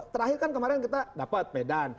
terakhir kan kemarin kita dapat medan